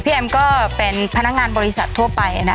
แอมก็เป็นพนักงานบริษัททั่วไปนะ